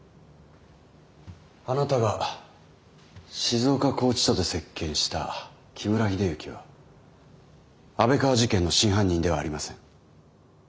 あなたが静岡拘置所で接見した木村秀幸は安倍川事件の真犯人ではありません。